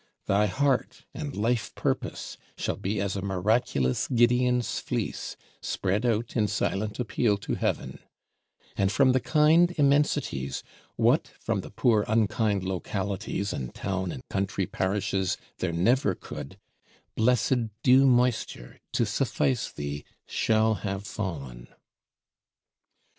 Thy heart and life purpose shall be as a miraculous Gideon's fleece, spread out in silent appeal to Heaven; and from the kind Immensities, what from the poor unkind Localities and town and country Parishes there never could, blessed dew moisture to suffice thee shall have fallen!